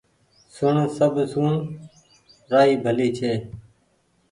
سڻ سب سون رآئي ڀلي ڇي